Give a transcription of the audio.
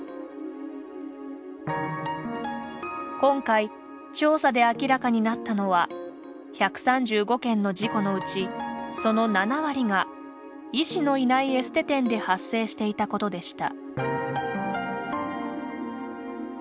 今回、調査で明らかになったのは１３５件の事故のうちその７割が医師のいないエステ店で発生していたことでした。